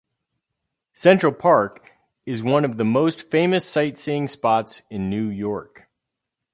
Central Park is one of the most famous sightseeing spots in New York.